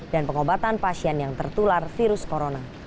dan pengobatan pasien yang tertular virus corona